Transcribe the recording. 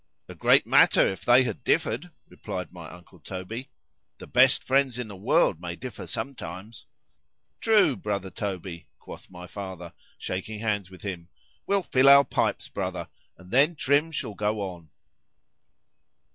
——A great matter, if they had differed, replied my uncle Toby,—the best friends in the world may differ sometimes.——True,—brother Toby quoth my father, shaking hands with him,—we'll fill our pipes, brother, and then Trim shall go on.